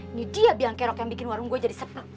ini dia biang kerok yang bikin warung gue jadi sepi